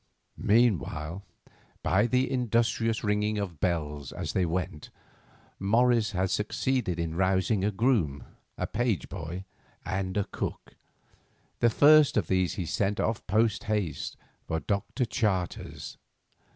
Meanwhile, by the industrious ringing of bells as they went, Morris had succeeded in rousing a groom, a page boy, and the cook. The first of these he sent off post haste for Dr. Charters.